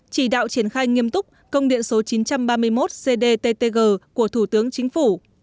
chỉ đạo triển khai nghiêm túc công điện số chín trăm ba mươi một cdttg của thủ tướng chính phủ